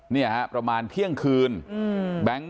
เนี่ยนะฮะประมาณเที่ยงคืน